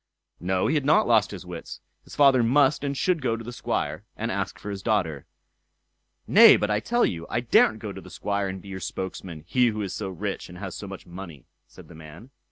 No! he had not lost his wits, his father must and should go to the Squire, and ask for his daughter. "Nay, but I tell you, I daren't go to the Squire and be your spokesman; he who is so rich, and has so much money", said the man.